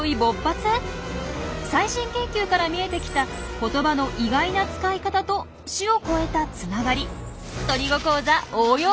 最新研究から見えてきた言葉の意外な使い方と種を超えたつながり鳥語講座応用編です！